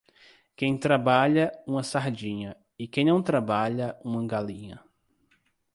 Quem trabalha, uma sardinha; e quem não trabalha, uma galinha.